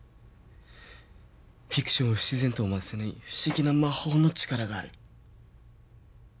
フィクションを不自然と思わせない不思議な魔法の力がある。